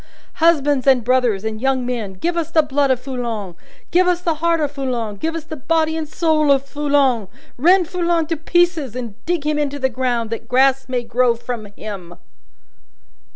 Husbands, and brothers, and young men, Give us the blood of Foulon, Give us the head of Foulon, Give us the heart of Foulon, Give us the body and soul of Foulon, Rend Foulon to pieces, and dig him into the ground, that grass may grow from him!